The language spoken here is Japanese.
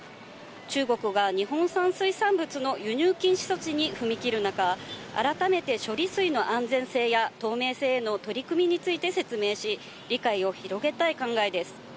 中国が日本産水産物の輸入禁止措置に踏み切る中、改めて処理水の安全性や透明性の取り組みについて説明し、理解を広げたい考えです。